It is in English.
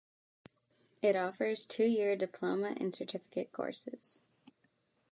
It offers two-year diploma and certificate courses.